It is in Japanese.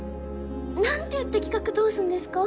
何て言って企画通すんですか？